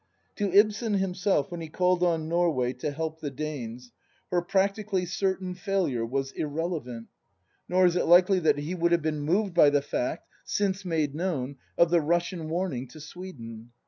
To Ibsen himself, when he called on Norway to help the Danes, her practically certain failure was irrelevant; nor is it likely that he would have been moved by the fact, since made known, of the Russian warning to Sweden.